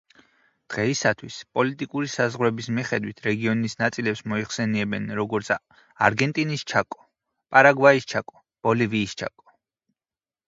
დღეისათვის, პოლიტიკური საზღვრების მიხედვით, რეგიონის ნაწილებს მოიხსენიებენ როგორც არგენტინის ჩაკო, პარაგვაის ჩაკო, ბოლივიის ჩაკო.